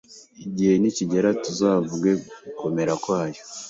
igihe nikigera tuzavuge gukomera kwayo.